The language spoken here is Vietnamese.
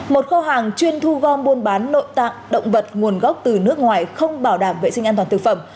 một kho hàng chuyên thu gom buôn bán nội tạng động vật nguồn gốc từ nước ngoài không bảo đảm vệ sinh an toàn thực phẩm